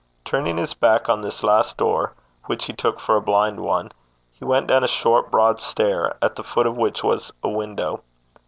Turning his back on this last door, which he took for a blind one, he went down a short broad stair, at the foot of which was a window.